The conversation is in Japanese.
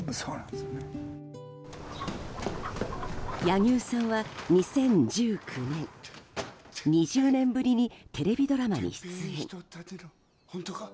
柳生さんは２０１９年２０年ぶりにテレビドラマに出演。